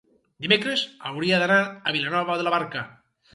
dimecres hauria d'anar a Vilanova de la Barca.